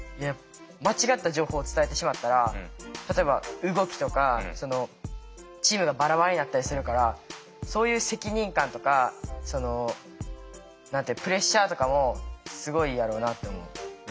間違った情報を伝えてしまったら例えば動きとかチームがバラバラになったりするからそういう責任感とかプレッシャーとかもすごいやろなと思う。